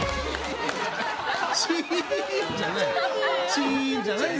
チーンじゃない！